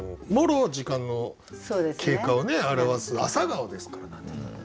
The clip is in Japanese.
もろ時間の経過を表す朝顔ですから。